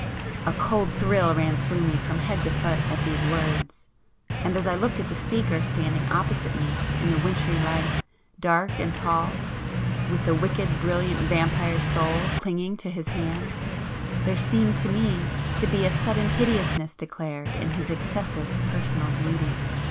A cold thrill ran through me from head to foot at these words, and as I looked at the speaker standing opposite me in the wintry light, dark and tall, with the 'wicked, brilliant, vampire soul' clinging to his hand, there seemed to me to be a sudden hideousness declared in his excessive personal beauty.